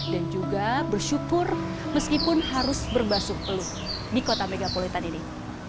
dan juga bersyukur meskipun harus berbasuh peluh di kota megapolitan ini